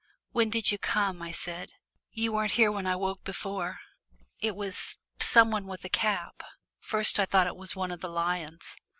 "When did you come?" I said. "You weren't here when I woke before. It was somebody with a cap first I thought it was one of the lions."